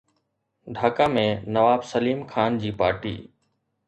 ڍاڪا ۾ نواب سليم خان جي پارٽي